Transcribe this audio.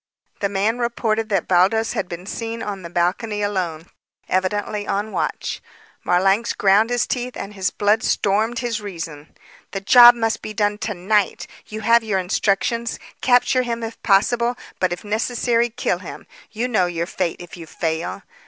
The man reported that Baldos had been seen on the balcony alone, evidently on watch. Marlanx ground his teeth and his blood stormed his reason. "The job must be done to night. You have your instructions. Capture him if possible; but if necessary, kill him. You know your fate, if you fail."